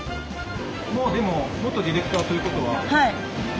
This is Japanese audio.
もうでも元ディレクターということはカメラは。